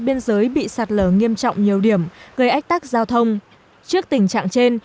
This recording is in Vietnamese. biên giới bị sạt lở nghiêm trọng nhiều điểm gây ách tắc giao thông trước tình trạng trên